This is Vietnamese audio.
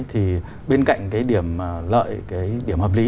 thì bên cạnh cái điểm lợi cái điểm hợp lý